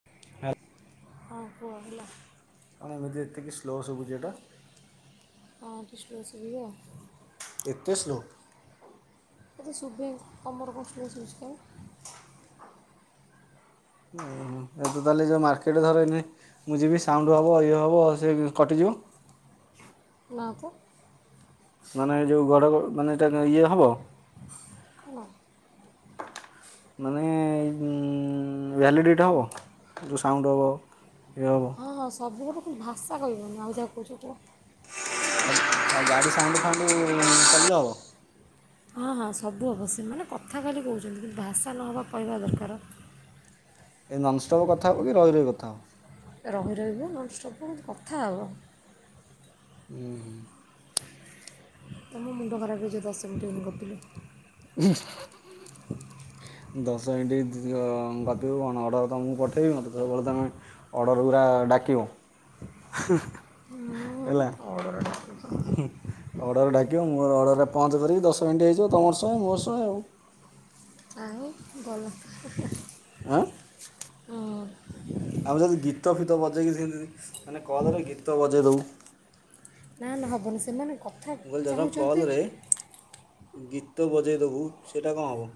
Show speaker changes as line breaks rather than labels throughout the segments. [inaudible]
ହଁ କୁହ ହେଲା।
କାଣ ଏମିତି ଏତିକି ସ୍ଲୋ ସୁଭୁଛି ଏଇଟା।
ହଁ କି ସ୍ଲୋ ସୁଭିବ।
ଏତେ ଶ୍ଲୋ।
କେତେ ଶୁଭେ ତମର କଣ ଫୋର୍ ସେମିଷ୍ଟର
ନାଇ ଏବେ ତାହେଲେ ଯୋଉ ମାର୍କେଟ ଧରେନି ମୁଁ ଯିବି ସାଉଣ୍ଡ ହେବ ଇଏ ହେବ ସେ କଟିଯିବ।
ନା ତ
ମାନେ ଯୋଉ ଗଡ଼ଗଡ଼ ମାନେ ଏଇଟା ଇଏ ହେବ।
ହେଲା
ମାନେ ଭ୍ୟାଲିଡ଼ିଟ ହେବ ଯୋଉ ସାଉଣ୍ଡ ହେବ ଇଏ ହେବ।
ହଁ ହଁ ସବୁ କୁହୁ କିନ୍ତୁ ଭାଷା କହିବନି ଆଉ ଯାହା କହୁଛ କୁହ।
ଆ ଗାଡ଼ି ସାାଉଉଣ୍ଡୁ ଫାଉଣ୍ଡୁ କଲେ ହେବ।
ହଁ ହଁ ସବୁ ହେବ ସେମାନେ କଥା ଖାଲି କହୁଛନ୍ତି କିନ୍ତୁ ଭାଷା ନହେବା କହିବା ଦରକାର।
ଏଇ ନନସ୍ତପ୍ କଥା ହେବ କି ରହି ରହି କଥା ହେବ।
ରହି ରହିକି ନନ୍ଷ୍ଟପ କୁ କଥା ହେବ।
ହୁଁ ହୁଁ
ତମ ମୁଣ୍ଡ ଖରାପ ହେଇ ଯିବ ଦଶମିନିଟି ଗପିଲେ।
ହୁଁ ଦଶମିନିଟ ଗପିବୁ କଣ ଅର୍ଡର୍ ଦେବୁ ମୁ ପଠେଇବି ମତେ ତ ସବୁବେଳେ ଅର୍ଡ଼ର ଗୁଡ଼ା ଡାକିବୁ। ହେଲା
ଅର୍ଡ଼ର ଡାକିବ
ଅର୍ଡ଼ର ଡାକିବୁ ମୋର ଅର୍ଡ଼ରରେ ପହଞ୍ଚେଇ କରିକି ଦଶମିନିଟ୍ ହେଇଯିବ ତମର ଶହେ ମୋର ଶହେ ଆଉ
ଆଉ ଗଲା ତ
ଆଁ
ହଁ
ଆମେ ଯଦି ଗୀତ ଫୀତ ବଜେଇକି ସେ ଯଦି ମାନେ କଲରେ ଗୀତ ବଜେଇ ଦେବୁ।
ନା ନା ହବନି ସେମାନେ କଥା
ମୁ କହିଲି ଧର
ଚାହୁଁଛନ୍ତି
କଲରେ ଗୀତ ବଜାଇଦେବୁ ସେଇଟା କଣ ହେବ।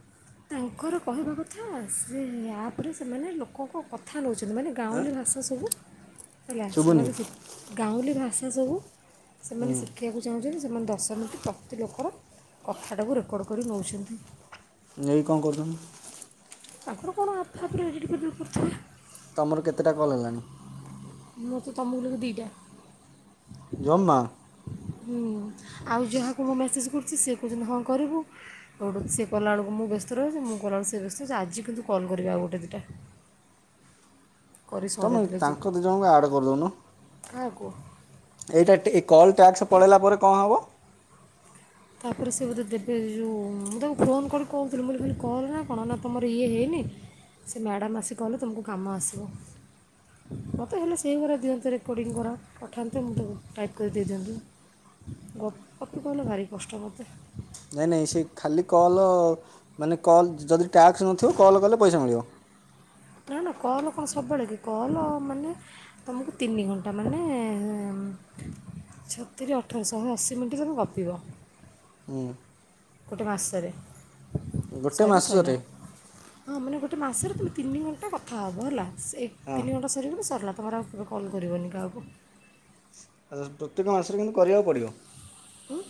ତାଙ୍କର କହିବା କଥା ସେ ଆପରେ ସେମାନେ ଲୋକଙ୍କ କଥା କଥା ନଉଛନ୍ତି ମାନେ
ଆଁ
ଗାଁଉଲି ଭାଷା ସବୁ ହେଲା
ଶୁଭୁନି
ସେମାନେ ଶି ଗାଉଁଲି ଭାଷା ସବୁ ସେମାନେ
ହୁଁ
ଶିଖ ଖିବାକୁ ଚାହୁଁଛନ୍ତି ସେମାନେ ଦଶମିନିଟ ପ୍ରତି ଲୋକର କଥାଟାକୁ ରେକର୍ଡ଼ କରି ନଉଛନ୍ତି।
ନେଇକି କଣ କରିଛନ୍ତି?
ତାଙ୍କର କଣ ଆପ ଫାପରେ ଏଡିଟ କରିବାକୁ ରଖୁଥିବେ।
ତମର କେତେଟା କଲ୍ ହେଲାଣି?
ମୁଁ ତ ତମକୁ ଲଗେଇଲି ଦିଟା
ଜମା
ହୁଁ ଆଉ ଯାହାକୁ ମୁଁ ମେସେଜ୍ କରୁଛି ସେ କହୁଛନ୍ତି ହଁ କରିବୁ। ଉଠୁ ସେ କଲାବେଳକୁ ବ୍ୟସ୍ତ ରହୁଛି ମୁଁ କଲାବେଳକୁ ସେ ବ୍ୟସ୍ତ ରହୁଛି ଆଜି କିନ୍ତୁ କଲ୍ କରିବି ଆଉ ଗୋଟେ ଦିଟା କରି
ତୁମେ
ସରିଦେଲେ
ତାଙ୍କ
ଯିବ
ଦୁଇ ଜଣଙ୍କୁ ଆଡ଼୍ କରିଦେଉନ
କାହାକୁୁ
ଏଇଟା ଟି କଲ୍ ଟ୍ୟାକ୍ସ ପଳେଇଲା ପରେ କଣ ହେବ
ତାପରେ ସେ ବୋଧେ ଦେବେ ଯୋଉ ମୁଁ ତାକୁ ଫୋନ୍ କରି କହୁଥିଲି ବୋଲି କହିଲି କଲ୍ ନା କଣ ନା ତମର ଇଏ ହେଇନି। ସେ ମ୍ୟାଡ଼ାମ୍ ଆସି କହିଲେ ତମକୁ କାମ ଆସିବ। ମତେ ହେଲେ ସେଇଗୁରା ଦିଅନ୍ତେ ରେକର୍ଡିଙ୍ଗ ଗୁରା ପଠାନ୍ତେ ମୁଁ ତାକୁ ଟାଇପ୍ କରିଦେଇଦିଅନ୍ତି। ଗ ଗପି କଲେ ଭାରି କଷ୍ଟ ମତେ।
ନାଇଁ ନାଇଁ ସେ ଖାଲି କଲ୍ ମାନେ କଲ୍ ଯଦି ଟ୍ୟାକ୍ସ ନଥିବ କଲ୍ କଲେ ପଇସା ମିଳିବ।
ନା ନା କଲ କଣ ସବୁବେଳେ କି କଲ ମାନେ ତମକୁ ତିନି ଘଣ୍ଟା ମାନେ ଛ ତିରି ଅଠର ଶହେ ଅଶିି ମିନିଟ୍ ତମେ ଗପିବ।
ହୁଁ।
ଗୋଟେ ମାସରେ
ଗୋଟେ
ସଇଲେ ସଇଲା।
ମାସରେ
ହଁ ମାନେ ଗୋଟେ ମାସରେ ତୁମେ ତିନି ଘଣ୍ଟା କଥା ହେବ ହେଲା ସେ
ହଁ
ତିନି ଘଣ୍ଟ ସରିଗଲେ ସରିଲା ତମର ଆଉ କେବେ କଲ୍ କରିବନି କାହାକୁ।
[inaudible] ପ୍ରତ୍ୟେକ ମାସରେ କିନ୍ତୁ କରିବାକୁ ପଡ଼ିବ।
ହୁଁ।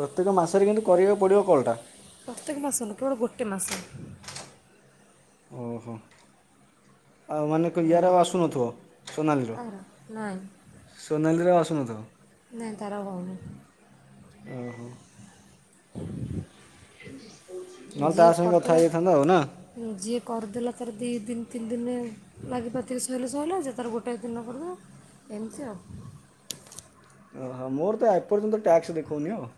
ପ୍ରତ୍ୟେକ ମାସରେ କିନ୍ତୁ କରିବାକୁ ପଡ଼ିବ କଲଟା।
ପ୍ରତ୍ୟେକ ମାସ ନୁହେ କେବଳ ଗୋଟେ ମାସ।
ଓହୋ। ଆଉ ମାନେ କ ୟାର ଆଉ ଆସୁନଥିବ ସୋନାଲିର।
କାହାର ନାଇଁ
ସୋନାଲିରେ ଆଉ ଆସୁନଥିବ।
ନାଇଁ ତାର ଆଉ ହଉନି।
ଓହୋ। ନହେଲେ ତା
ଯିଏ
ସହ କଥା
କରିଦେଲା
ହେଇଯାଇଥାନ୍ତ ଆଉ ନା।
ଯିଏ କରିଦେଲା ତାର ଦି ତିନି ତିନି ଦିନରେ ଲାଗିପାତିକି ସଇଲେ ସଇଲା ଯେ ତାର ଗୋଟେଏ ଦିନ କରିଦେଉ‌। ଏମତି ଆଉ।
ଓହୋ ମୋର ତ ଏପର୍ଯ୍ୟନ୍ତ ଟ୍ୟାକ୍ସ ଦେଖଉନି ଆଉ।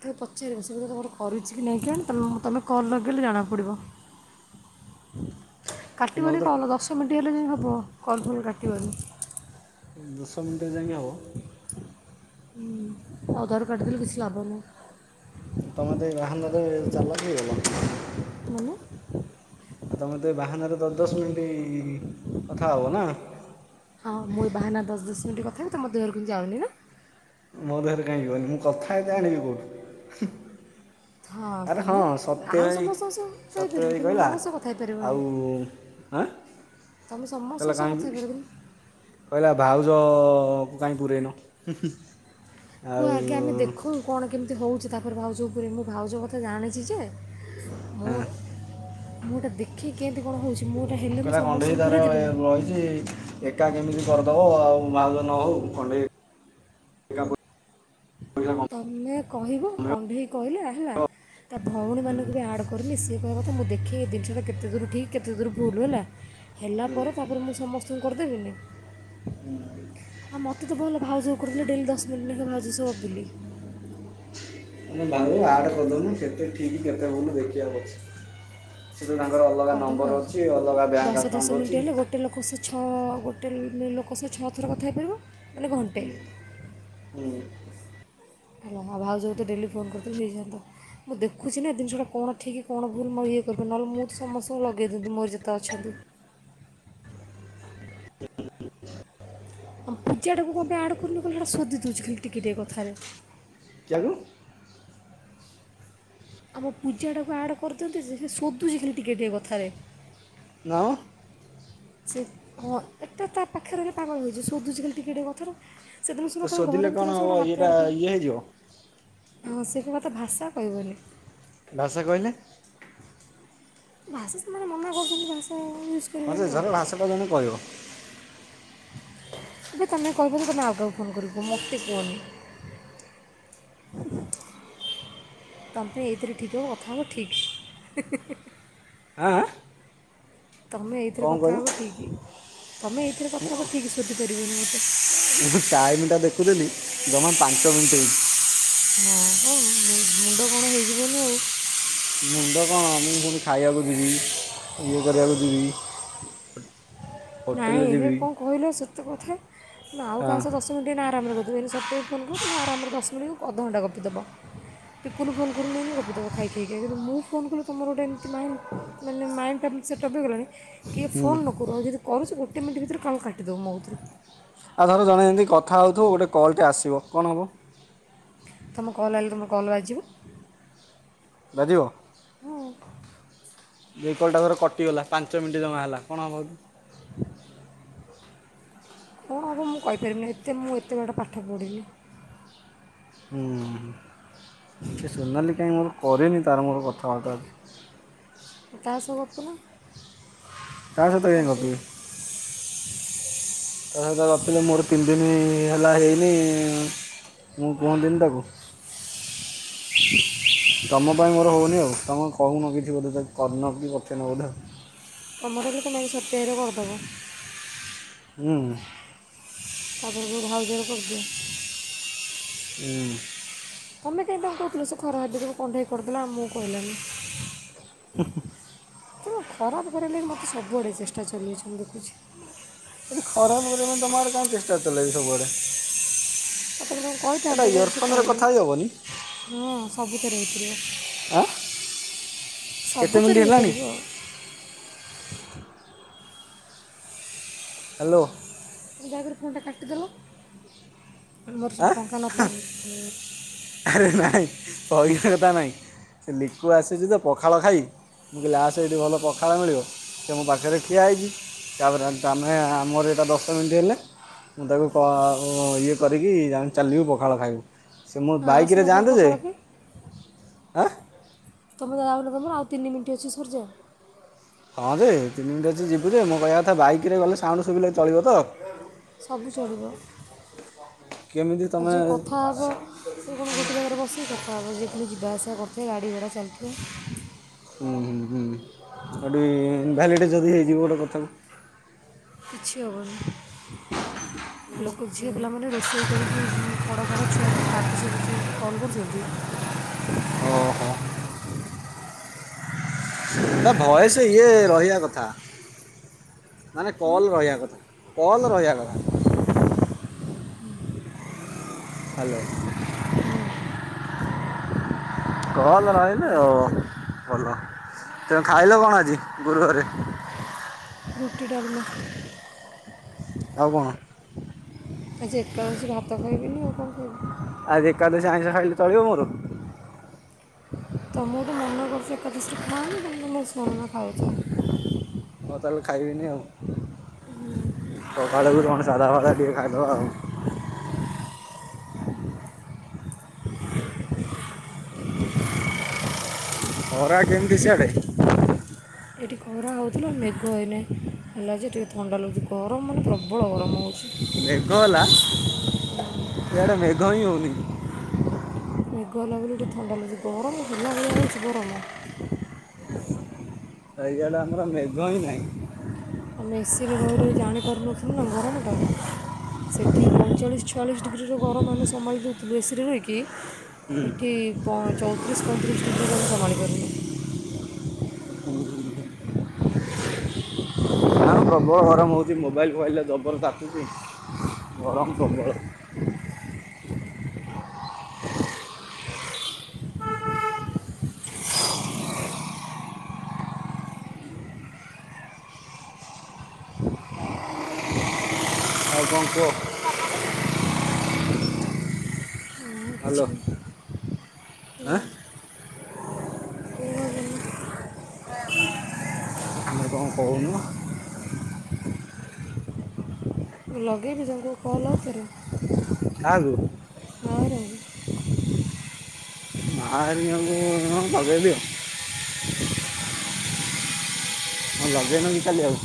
ଟିକେ ପଚାରିବେ ସେ ବି ତମରେ କରିଛି କି ନାଇଁ କେଜାଣି ତମେ ତମେ କଲ୍ ଲଗେଇଲେ ଜଣା ପଡ଼ିବ।
କି ମୋତେ
କାଟିବନି
ତ
କଲ ଦଶ ମିନିଟ୍ ହେଲେ ଯାଇଁ ହବ କଲଫୁଲ କାଟିବନି।
ଦଶ ମିନିଟେ ଯାଇଙ୍କି ହବ।
ହୁଁ ଅଧାରୁ କାଟିଦେଲେ କିଛି ଲାଭ ନାହିଁ।
ତମେ ତ ଏଇ ବାହାନାରେ ଚାଲକ ହେଇଗଲ।
ମାନେ
ଆଉ ତ ମତେ ବାହାନାରେ ଦ ଦଶ ମିନିଟ୍ କଥା ହବ ନା।
ହଁ ମୁଁ ଏ ବାହାନା ଦଶ ଦଶ ମିନିଟ କଥାବି ତ ମୋ ଦେହରକୁ କିଉଁ ଯାଉନି ନା।
ମୋ ଦେହରେ କାହିଁ ଯିବନି ମୁଁ କଥା ଏତେ ଆଣିବି କୋଉଠୁ। ଆରେ ହଁ ସତେ
ଆଉ
ଭାଇ
ସମସ୍ତଙ୍କ ସହ କଥା
ସତ୍ୟ
ହେଇପାରିବ
ଭାଇ
କିନ୍ତୁ
କହିଲା
ମୋ ସହ କଥା ହେଇପାରିବନି
ଆଉ ଆଁ।
ତମେ ସମଶ୍
କହିଲା
କ ସହ
କାହିଁ
କଥାହେଇପାରିବନି।
କହିଲା ଭାଉଜ କୁ କାହିଁ ପୂରେଇନୁ।
କୁହ ଆଗେ ଆମେ ଦେଖୁ। କଣ କେମିତି ହୋଉଛି ତାପରେ ଭାଉଜ କୁ ପୁରେଇମୂ ଭାଉଜ କଥା ଜାଣିଛି ଯେ
ହଁ
ହଉ ମୁଁ ଏଟା ଦେଖେ କେମିତି କଣ ହେଉଛି ମୁଁ ଏଟା ହେଲେ ମୁଁ ସମସ୍ତଙ୍କୁ ପୁରେଇ ଦେବିନି।
କି ଏକା କେମିତି କରିଦବ ଆଉ ଭାଉଜ ନ ହୋଉ କଣ୍ଡେଇ ପଇସା କମେଇବ
ତମେ କହିବ କଣ୍ଢେଇ କହିଲେ ହେଲା ତା ଭଉଣୀ ମାନଙ୍କୁ ବି ଆଡ଼୍ କରିନି ସିଏ କହିବା କଥା ମୁଁ ଦେଖ ଦେଖିକୀ ଜିନିଷଟା କେତେ ଦୂର ଠିକ କେତେ ଦୂର ଭୁଲୁ ହେଲା ହେଲା ପରେ ତାପରେ ମୁଁ ସମସ୍ତଙ୍କୁ କରିଦେବିନି। ଆଉ ମୋତେ ତ ଭଲ ଭାଉଜ କରୁଦେଲେ ଡେଲି ଦଶ ମିନଟ୍ ଲେଖେ ଭାଉଜ ଶ ଗପିଲି।
ଆଗେ ଆଡ଼ କରିଦଉନୁ କେତେ ଠିକ୍ କେତେ ଭୁଲ ଦେଖିବା ପଛରେ। ସେ ଯୋଉ ତାଙ୍କର ଅଲଗା
କରିଦେବା
ନମ୍ବର
ଆଉ
ଅଛି ଅଲଗା ବ୍ୟାଙ୍କ
ଦଶ ଦଶ
ଆକାଉଣ୍ଟ
ମିନିଟ୍
ଅଛି।
ହେଲେ ଗୋଟେ ଲୋକ ସିଏ ଛଅ, ଗୋଟେ ଲୋକ ସିଏ ଛଅ ଥର କଥା ହେଇପାରିବ। ମାନେ ଘଣ୍ଟେ
[inaudible]
ହେଲା ଆଉ ଭାଇ ଯୋଉଠି ଡେଲି ଫୋନ୍ କରିଥିଲେ ହେଯଆନ୍ତା। ମୁଁ ଦେଖୁଛି ନା ଏ ଜିନଷଟା କଣ ଠିକ୍ କଣ ଭୁଲ ମୋ ଇଏ କରିବି ନହେଲେ ମୁଁ ତ ସମସ୍ତଙ୍କୁ ଲଗେଇ ଦେବି ମୋର ଯେତେ ଅଛନ୍ତି। ହଁ ପୂଜା ଟାକୁ କଣ ପାଇଁ ଆଡ୍ କରୁନି କାହିଁ ସେଟା ସୁଦି ଦଉଛୁ ଖାଲି ଟିକେ ଟିକେ କଥାରେ।
ଯାକୁୁ
ଆମ ପୂଜାଟାକୁ ଆଡ଼୍ କରିଦିଅନ୍ତି ଯେ ସେ ସୋଧୁଛି ଖାଲି ଟିକେ ଟିକିଏ କଥାରେ।
ନାଓ
ସେ ହଁ ଏଟା ତା ପାଖରେ ରହିଲେ ପାଗଳ ହେଇଯିବ ଶୋଧୁଛି ଖାଲି ଟିକେ ଟିକେ କଥାରେ। ସେଦିନ
ତ
ସିନା ତାଙ୍କ
ଶୋଧିଲେ
ଘର
କ'ଣ
ଭିତରେ ସିଏ
ହେବ
ଗୋଟେ
ଇଏଟା
ହାପି
ଇଏ ହେଇଯିବ
[inaudible] ହଁ ସେ କଥା ଭାଷା କହିବନି।
ଭାଷା କହିଲେ?
ଭାଷା ସେମାନେ ମନା କରୁଛନ୍ତି ଭାଷା ୟୁଜ୍
ହଁ
କରିବନି
ଯେ
ଆଉ
ଜଣେ ଭାଷ ଟା ଜଣେ କହିବ।
ଏବେ ତୋମେ କହିବ ଯେ ତୋମେ ଆଉ କାହାକୁ ଫୋନ୍ କରିକି, ମୋତେ କୁହନି। ତୋମ ପାଇଁ ଏଇଥିରେ ଠିକ୍ ହବ କଥା ହବ ଠିକ୍।
ଆଁ,
ତୋମେ ଏଇଥିରେ କଥା ହବ ଠିକ୍, ତୋମେ ଏଇଥିରେ କଥା ହବ ଠିକ୍ ଶୋଧିପାରିବନି ମୋତେ।
ମୁଁ ଭି ଟାଇମ୍ ଟା ଦେଖୁଥିଲି ଜମା ପାଞ୍ଚ ମିନିଟ୍ ହେଇଛି।
ହଁ ହଉ ମୁ-ମୁଣ୍ଡ କଣ ହେଇଯିବନି ଆଉ।
ମୁଣ୍ଡ କଣ ମୁଁ ପୁଣି ଖାଇବାକୁ ଯିବି ଇଏ କରିବାକୁ ଯିବି। ହୋଟେଲ୍
ନାଇଁ ସିଏ
ଯିବି
କଣ କହିଲ ସତ କଥା ତୁମେ ଆଉ
ହଁ
କାହା ସହ ଦଶ ମିନିଟ୍ ଏଇନା ଆରାମରେ ଗପିବ, ହେଲେ ସ ତେ ଫୋନ୍ କର ମୁଁ ଆରାମରେ ଦଶ ମିନିଟ୍ [unintelligible] ଅଧଘଣ୍ଟା ଗପି ଦେବ। ଟିକନୁ ଫୋନ୍ କରୁନି ଏଇନା ଗପି ଦବ ଖାଇ ଖାଇକା, କିନ୍ତୁ ମୁଁ ଫୋନ୍ କଲେ ତୋମର ଗୋଟେ ଏମିତି ମାଇଣ୍ଡ ମାନେ ମାଇଣ୍ଡ ଟା ସେଟପ୍ ହେଇଗଲାଣି କିଏ ଫୋନ୍ ନ କରୁ ଆଉ ଯଦି କରୁଛି ଗୋଟେ ମିନିଟ୍ ଭିତରେ କାଟିଦବ ମୋ କତୁରୁ।
ଆଉ ଧର ଜଣେ ଏମିତି କଥା ହଉଥୁବୁ ଗୋଟେ କଲ୍ ଟେ ଆସିବ କଣ ହବ?
ତୋମ କଲ୍ ଆଇଲେ ତୋମ କଲ୍ ବାଜିବ?
ବାଜିବ?
ହଁ
ଏଇ କଲ୍ ଟା ଧର କଟିଗଲା ପାଞ୍ଚ ମିନିଟ୍ ଜମା ହେଲା କଣ ହବ କି?
କଣ ହବ ମୁଁ କହିପାରିମିନି, ଏତେ ମୁଁ ଏତେ ବଡ ପାଠ ପଢିନି।
ହୁଁ, ସେ ସୋନାଲି କାହିଁ ମୋର କରିନି ତାର ମୋର କଥାବାର୍ତ୍ତା ଆଜି।
ତା ସହ ଗପୁନ।
ତା ‌ସହିତ କାହିଁ
କରିଦେବି
ଗପିବି? ତା ସହିତ ଗପିଲେ ମୋର ତିନି ଦିନ ହେଲା ହେଇନି। ମୁଁ କୁହନ୍ତିନି ତାକୁ।
[inaudible]
ତୋମ ପାଇଁ ମୋର ହଉନି ଆଉ, ତୋମେ କହୁନ କିଛି ବୋଧେ ତା-କରିନ କି କଥା ହଉ ନ ବୋଧେ।
ତୋମର ହେଲେ ତୋମେ ଆଗେ ସତ୍ୟ ଭାଇର କରିଦବ।
ହୁଁ।
ତା ପୂର୍ବରୁ ଭାଉଜର କରିଦିଅ।
ଉଁ,
ତୋମେ କାହିଁକି ତାଙ୍କୁ କହୁଥିଲ? ସେ ଖରାପ ଭାବିଥିବ, କଣ୍ଢେଇ କରିଦେଲା ଆମକୁ କହିଲାନି।
ଉଁ, ହୁଁ,।
ତୁମେ ଖରାପ କରେଇ ଲାଗି ମୋତେ ସବୁଆଡ଼େ ଚେଷ୍ଟା ଚାଲେଇଛି ମୁଁ ଦେଖୁଛି।
ଖରା ମରା ତମ ଆଡେ ସମସ୍ତେ ଚେଷ୍ଟା ଚାକେଇଚ ସବୁଆଡେ।
ହଉ ତମେ ତାଙ୍କୁ କହିଥାନ୍ତ ଯଦି ସେ
ଇୟରଫୋନ୍ରେ
କହିଲେ
କଥା ହେଇ ହେବନି
ହଁ ସବୁଥିରେ ହେଇପାରିବ।
ଆଁ। କେତେ
ସବୁ
ମିନିଟ୍
ଥରେ
ହେଲାଣି
ହେଇପାରିବ।
ହ୍ୟାଲୋ।
ଦୟାକରି ଫୋନ୍ ଟା କାଟିଦେଲ ଆମର ସେ
ଆଁ
ଟଙ୍କା ନପା।
ଆରେ ନାଇଁ ପଇସା କଥା ନାହିଁ ସେ ଲିକୁ ଆସିଛି ତ ପଖାଳ ଖାଇ। ମୁଁ କହିଲି ଆସେ ଏଠି ଭଲ ପଖାଳ ମିଳିବ ସେ ମୋ ପାଖରେ ଠିଆ ହେଇଛି। ତାପରେ ନ ତମେ ଆମର ଏଇଟା ଦଶ ମିନିଟ୍ ହେଲେ ମୁଁ ତାକୁ କ ଇଏ କରିକି ଯାନ ଚାଲିବୁ ପଖାଳ ଖାଇବୁ। ମୁଁ
ହଁ ଆସୁନ
ବାଇକରେ
ତମ
ଯାଆନ୍ତୁ ଯେ
ପଖାଳ କି
ଆଁ
ତମେନ ତମ ଆଉ ତିନି ମିନିଟ ଅଛି ସରିଯାଉ।
ହଁ ଯେ ତିନିିମିନିଟ ଅଛି ଯିବୁ ଯେ ମୋ କହିବା କଥା ବାଇକରେ ଗଲେ ସାଉଣ୍ଡ ସୁବିିଲେ ଚଳିବ ତ।
ସବୁ ଚଳିବ
କେମିତି ତମେ
ସିଏ କଣ ଗୋଟେ ଜାଗାରେ ବସିକି କଥା ହବ ଯିଏ ପୁଣି ଜିବା ଆସିବା କରୁଥିବେ ଗାଡ଼ି ଘୋଡ଼ା ଚାଲିଥିବ
ହୁଁ ହୁଁ ହୁଁ ଆଉଟିକେ ଇନ୍ ଭ୍ୟାଲିଡ଼ ଯଦି ହେଇଯିବ ଗୋଟେ କଥା କୁ।
କିଛି ହବନି। ଲୋକ ଝିଅ ପିଲାମାନେ ରୋଷେଇ କରିକି ଖଡ଼ ଖାଡ଼ ଛୁଆକୁ ପାଟି ଶୁଭୁଛି କଲ୍ କରୁଛନ୍ତି।
ଓହୋ ନା ଭୟସ ଇଏ ରହିବା କଥା। ମାନେ କଲ୍ ରହିବା କଥା କଲ୍ ରହିବା କଥା। ହ୍ୟାଲୋ। ଭଲ ରହିଲେ ଆଉ ଭଲ ତେମୁ ଖାଇଲ କଣ ଆଜି ଗୁରୁବାରେ।
ରୁଟି ଡଲମା।
ଆଉ କଣ?
ଆଜି ଏକାଦଶୀ ଭାତ ଖାଇବିନି ଆଉ କଣ ଖାଇବି?
ଆଜି ଏକାଦଶ ଆଇଁଷ ଖାଇଲିଲେ ଚଳିବନି।
ତମକୁ ତ ମନା କରୁଛ ଏକାଦସିରେ ଖାଆନି ତମେ ତମ ଶୁଣନା ଖାଉଛ।
ହଉ ତାହେଲେ ଖାଇବିନି ଆଉ।
ହୁଁ।
ସକାଳକୁ କଣ ସାଧା ଫଦା ଟିକେ ଖାଇଦବା ଆଉ। [inaudible] ହରା କେମିତି ସିଆଡେ?
ଏଇଠି ଖରା ହେଉଥିଲା ମେଘ ହେଇନ ହେଲା ଯେ ଟିକେ ଥଣ୍ଡା ଲାଗୁଛି ଗରମ ମାନେ ପ୍ରବଳ ଗରମ ହେଉଛି।
ମେଘ ହେଲା ୟିଆଡେ ମେଘ ହିଁ ହଉନି।
ମେଘ ହେଲା ବୋଲି ଟିକେ ଥଣ୍ଡା ଲାଗୁଛି ଗରମ ହେଲା ଭଳିଆ ହଉଛି ଗରମ।
ଇଆଡ଼େ ଆମର ମେଘ ହିଁ ନାହିଁ।
ଆମେ ଏସିରେ ରହି ରହି ଜାଣିପାରୁନଥିଲୁ ନା ଗରମଟା। ସେଇଠି ପଇଁଚାଳିଶ ଛୟାଳିଶ ଡିଗ୍ରୀର ଗରମ ଆମେ ସମ୍ଭାଳି ଦେଉଥିଲୁ ଏସିରେ ରହିକି। ଏଠି ଚଉତିରିଶ ପଇଁତିରିଶ ଡିଗ୍ରୀରୁ ଆମେ ସମ୍ଭାଳି ପାରୁନୁ।
ଆଉ ପ୍ରବଳ ଗରମ ହଉଛି ମୋବାଇଲ୍ ଫୋବାଇଲେ ଜବର ତାତୁଛି ଗରମ ପ୍ରବଳ। ଆଉ କଣ କୁହ?
ଆଉ
ହ୍ୟାଲୋ
କିଛି ନାହିଁ ହୁଁ।
ଆଁ ଆମେ କଣ କହୁନ?
ମୁଁ ଲଗେଇବି ତାଙ୍କୁ କଲ୍ ଆଉଥରେ।
କାହାକୁ? [unintelligible] ହଁ ଲଗେଇନବ କାଲି ଆଉ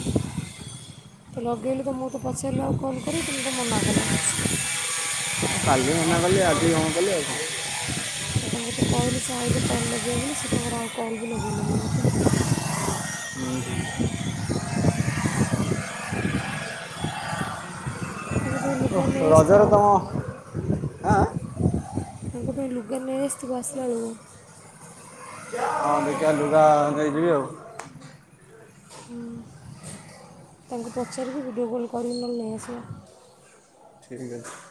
ତ ଲଗେଇଲି ତ ମୁଁ ତ ପଚାରିଲି ଆଉ କଲ୍ କରିିବ ତମେତେ ମନା କଲା।
କାଲି ମନା କଲି ଆଜି କଣ କଲି ଆଉ
ତାଙ୍କୁ ତ କହିଲି ସେ ଆଇିଲେ କଲ୍ ଲଗେଇଲେନି ସେ ତାଙ୍କର ଆଉ କଲ୍ ବି ଲଗେଇଲେନି ମୋତେ
ହୁଁ ହୁ
ତେ ଲୁଗା
ଓଃ,
ନେଇ
ରଜରେ
ଆସିଥିବ।
ତମ ଆଁ?
ତାଙ୍କ ପାଇଁ ଲୁଗା ନେଇଆସିଥିବ ଆସିଲା ବେଳକୁ।
ହଁ ଦେଖିବା ଲୁଗା ଦେଇ ଯିବି ଆଉ।
ହ ତାଙ୍କୁ ପଚାରିକି ଭିଡ଼ିଓ କଲ୍ କରିକି ନେହେଲେ ନେଇ ଆସିବ।
ଠିକ୍ ଅଛି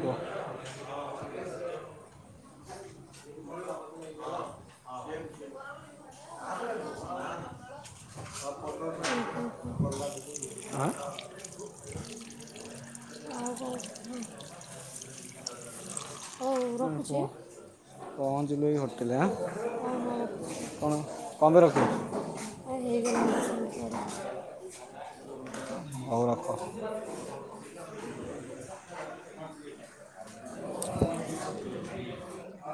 କୁହ
ଓୁ ହୁ ହୁ ଆଉ କ'ଣ
[unintelligible]
ହଉ ରଖୁଛି।
ପହଞ୍ଚିଲି। [unintelligible]
ହ ହଁ ରଖୁଛି।
ପନ୍ଦର ଶହ।
ଆ ହେଇଗଲାଣି ଦଶ ମିନିଟ୍ ପରେ
[unintelligible] [unintelligible]